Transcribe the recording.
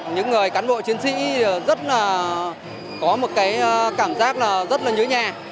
những người cán bộ chiến sĩ rất là có một cái cảm giác là rất là nhớ nhà